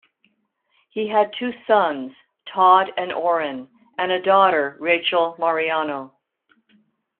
He had by two sons, Todd and Orrin, and a daughter, Rachel Marianno.